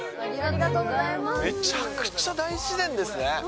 めちゃくちゃ大自然ですね。